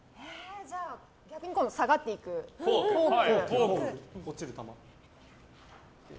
じゃあ、下がっていくフォーク。